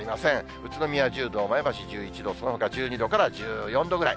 宇都宮１０度、前橋１１度、そのほか１２度から１４度ぐらい。